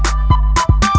kau mau kemana